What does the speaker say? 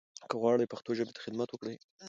که غواړٸ پښتو ژبې ته خدمت وکړٸ